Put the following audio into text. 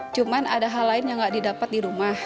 cuman ada hal lain yang gak didapat di rumah